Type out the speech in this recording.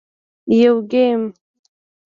- یو ګېم 🎮